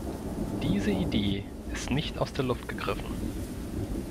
Diese Idee ist nicht aus der Luft gegriffen.